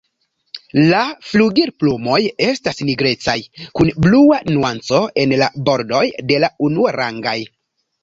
La flugilplumoj estas nigrecaj, kun blua nuanco en la bordoj de la unuarangaj.